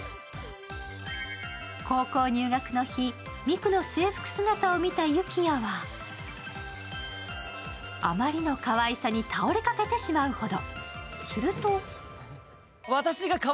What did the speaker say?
高校入学の日、みくの制服姿を見たゆきやはあまりのかわいさに倒れかけてしまうほど。